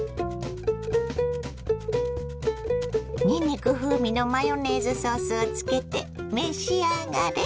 にんにく風味のマヨネーズソースをつけて召し上がれ。